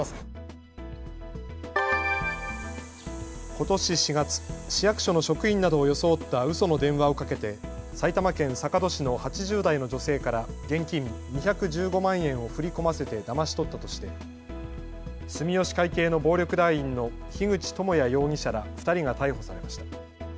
ことし４月、市役所の職員などを装ったうその電話をかけて埼玉県坂戸市の８０代の女性から現金２１５万円を振り込ませてだまし取ったとして住吉会系の暴力団員の樋口智也容疑者ら２人が逮捕されました。